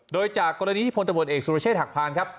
โดยจากกรณีที่พลตำรวจเอกสุรเชษฐหักพานครับ